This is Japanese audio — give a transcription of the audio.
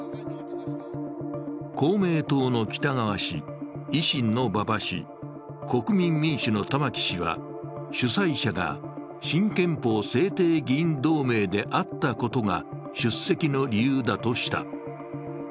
公明党の北側氏、維新の馬場氏、国民民主の玉木氏は主催者が新憲法制定議員同盟であったことが出席の理由だとした。